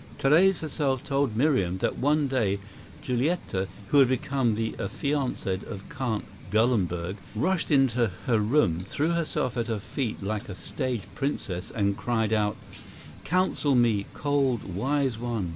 Therese herself told Miriam that one day Giulietta, who had become the affianced of Count Gallenberg, rushed into her room, threw herself at her feet like a "stage princess," and cried out: "Counsel me, cold, wise one!